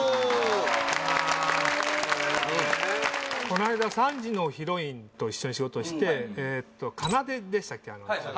こないだ３時のヒロインと一緒に仕事してかなででしたっけ？